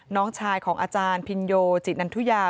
น้องชายของอาจารย์พินโยจินันทุยา